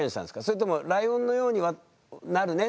それとも「ライオンのようになるね」